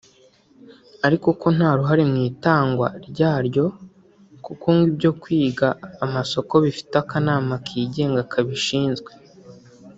ariko ko nta ruhare mu itangwa ryaryo kuko ngo ibyo kwiga amasoko bifite akanama kigenga kabishinzwe